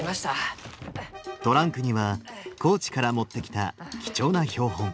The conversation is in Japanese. トランクには高知から持ってきた貴重な標本。